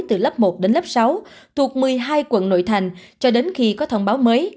từ lớp một đến lớp sáu thuộc một mươi hai quận nội thành cho đến khi có thông báo mới